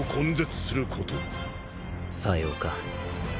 さようか。